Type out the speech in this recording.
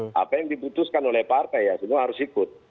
karena partai yang diputuskan oleh partai ya semua harus ikut